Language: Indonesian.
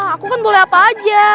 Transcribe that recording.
aku kan boleh apa aja